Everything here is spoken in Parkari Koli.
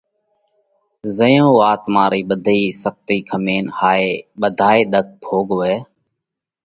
زئيون اُو آتما ري ٻڌي سختي کمينَ هائي ٻڌائي ۮک ڀوڳوَئه